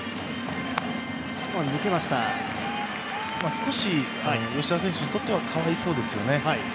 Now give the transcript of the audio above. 少し吉田選手にとってはかわいそうですよね。